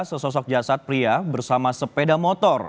sesosok jasad pria bersama sepeda motor